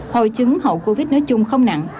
hồi chứng hậu covid nói chung không nặng